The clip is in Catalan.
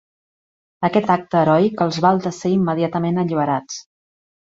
Aquest acte heroic els val de ser immediatament alliberats.